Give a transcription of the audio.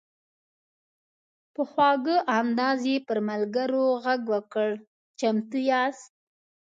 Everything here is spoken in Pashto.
په خواږه انداز یې پر ملګرو غږ وکړ: "چمتو یاست؟"